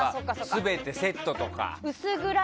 全てセットとかがさ。